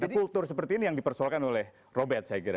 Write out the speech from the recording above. dan kultur seperti ini yang dipersoalkan oleh robert saya kira